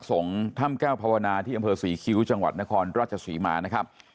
สงฆ์ถ้ำแก้วภาวนาที่อำเภอศรีคิ้วจังหวัดนครราชศรีมานะครับ